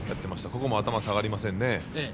ここも頭が下がりませんね。